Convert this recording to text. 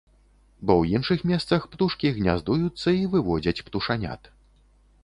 Бо ў іншых месцах птушкі гняздуюцца і выводзяць птушанят.